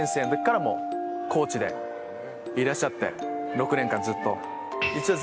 ６年間ずっと。